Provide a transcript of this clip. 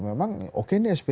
memang oke ini sp tiga